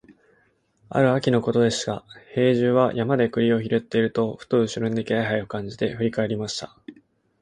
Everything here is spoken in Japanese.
ある秋のことでした、兵十は山で栗を拾っていると、ふと後ろに気配を感じて振り返りました。